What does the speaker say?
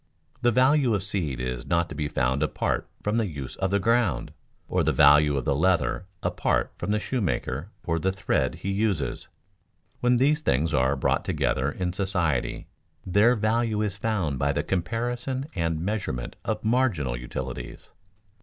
The value of seed is not to be found apart from the use of the ground; or the value of the leather apart from the shoemaker or the thread he uses. When these things are brought together in society their value is found by the comparison and measurement of marginal utilities.